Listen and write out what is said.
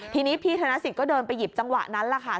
ทีนี้พี่ธนสิทธิ์เดินไปหยิบจังหวะนั้นแหละค่ะ